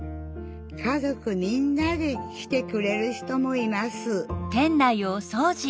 家族みんなで来てくれる人もいます